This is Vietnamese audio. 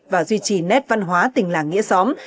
và duy trì nét văn hóa tình làng nghĩa xóm